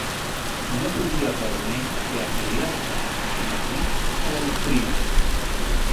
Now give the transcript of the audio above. No podia per menys que afiliar-se, enardit, a la doctrina.